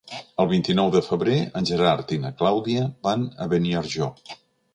El vint-i-nou de febrer en Gerard i na Clàudia van a Beniarjó.